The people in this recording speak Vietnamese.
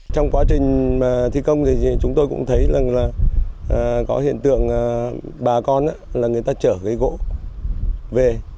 trong quá trình thi công thì chúng tôi cũng thấy rằng là có hiện tượng bà con là người ta chở cái gỗ về